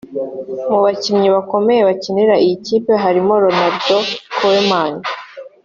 Mu bakinnyi bakomeye bakiniye iyi kipe; harimo Ronald Koeman